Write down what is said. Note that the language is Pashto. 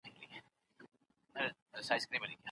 د ځمکې پر مخ د اوبو لاندې نړۍ ډېره پراخه ده.